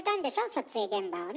撮影現場をね。